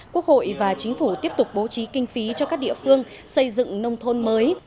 quốc hội và chính phủ tiếp tục bố trí kinh phí cho các địa phương xây dựng nông thôn mới